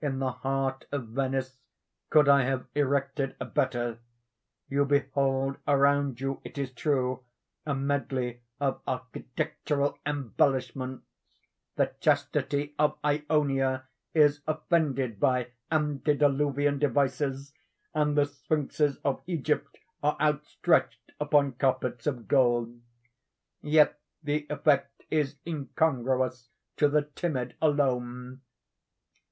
In the heart of Venice could I have erected a better? You behold around you, it is true, a medley of architectural embellishments. The chastity of Ionia is offended by antediluvian devices, and the sphynxes of Egypt are outstretched upon carpets of gold. Yet the effect is incongruous to the timid alone.